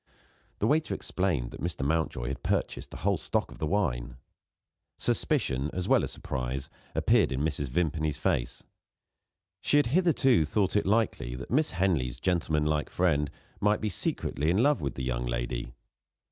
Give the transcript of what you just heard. The waiter explained that Mr. Mountjoy had purchased the whole stock of the wine. Suspicion, as well as surprise, appeared in Mrs. Vimpany's face. She had hitherto thought it likely that Miss Henley's gentleman like friend might be secretly in love with the young lady.